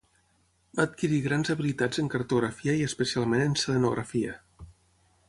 Va adquirir grans habilitats en cartografia i especialment en selenografia.